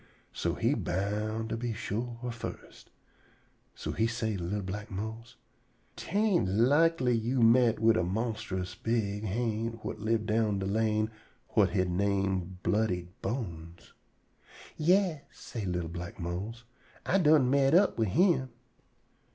So he boun' to be sure fust. So he say to li'l black Mose: "'Tain' likely you met up wid a monstrous big ha'nt whut live down de lane whut he name Bloody Bones?" "Yas," say li'l black Mose, "I done met up wid him."